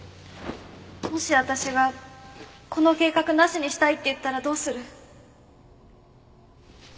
もし私がこの計画なしにしたいって言ったらどうする？